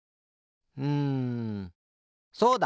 うんそうだ！